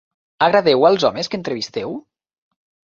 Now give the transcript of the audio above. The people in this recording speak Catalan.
Agradeu als homes que entrevisteu?